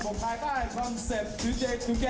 สำหรับสมบัติสุดท้ายตั้งวัน๑๒นความเศรษฐ์วิจัย